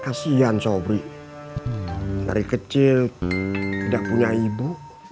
kasian sobri dari kecil tidak punya ibu